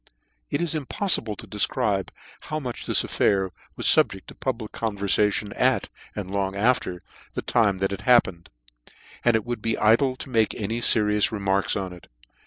It is impoflible to defcribe how much this affair was the fubjecl of the public converfation at, and long after, the time that it happened: and it would be idle to make any ferious remarks on it.